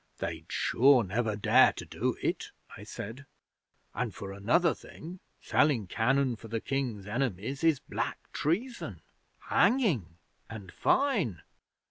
"They'd sure never dare to do it," I said; "and, for another thing, selling cannon to the King's enemies is black treason hanging and fine."